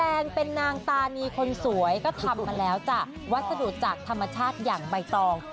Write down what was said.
แดงเป็นนางตานีคนสวยก็ทำมาแล้วจ้ะวัสดุจากธรรมชาติอย่างใบตอง